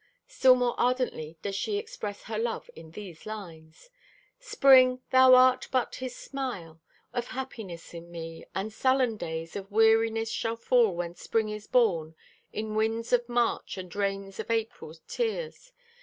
Still more ardently does she express her love in these lines: Spring, thou art but His smile Of happiness in me, and sullen days Of weariness shall fall when Spring is born In winds of March and rains of April's tears.